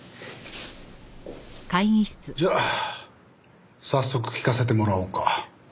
じゃあ早速聞かせてもらおうか。